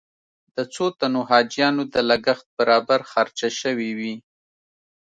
د څو تنو حاجیانو د لګښت برابر خرچه شوې وي.